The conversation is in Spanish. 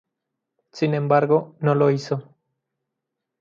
Sin embargo, no lo hizo.